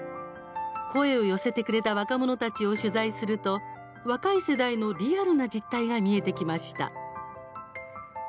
声を寄せてくれた若者たちを取材すると、若い世代のリアルな実態が見えてきました。